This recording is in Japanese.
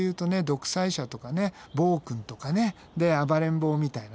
独裁者とかね暴君とかねで暴れん坊みたいなね